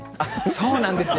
そうなんですよ。